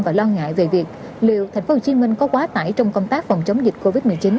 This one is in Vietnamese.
và lo ngại về việc liệu tp hcm có quá tải trong công tác phòng chống dịch covid một mươi chín